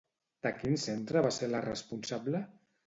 De quin centre va ser la responsable?